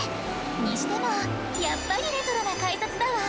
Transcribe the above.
にしてもやっぱりレトロな改札だわ。